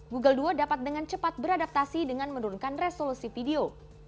google dua dapat dengan cepat beradaptasi dengan menurunkan resolusi video